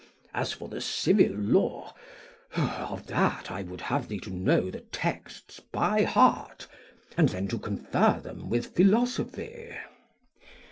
As for the civil law, of that I would have thee to know the texts by heart, and then to confer them with philosophy.